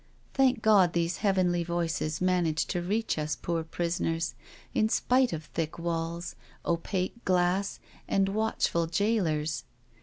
Thank God these heavenly voices manage to reach us poor prisoners, in spite of thick walls, opaque glass, and watchful gaolers.